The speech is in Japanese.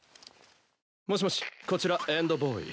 もしもしこちらエンドボーイ。